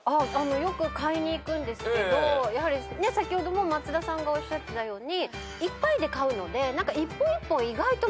よく買いに行くんですけど先ほども松田さんがおっしゃってたようにいっぱいで買うので。